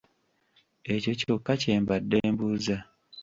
Ekyo kyokka kyembadde mbuuza.